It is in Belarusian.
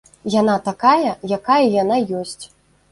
Яна такая, якая яна ёсць.